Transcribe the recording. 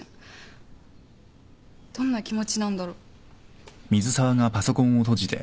どんな気持ちなんだろ。